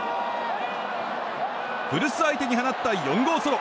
古巣相手にはなった４号ソロ。